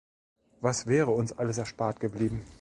Was wäre uns alles erspart geblieben!